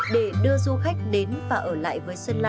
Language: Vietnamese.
để đưa du khách đến và ở lại với sơn la